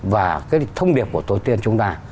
và cái thông điệp của tổ tiên chúng ta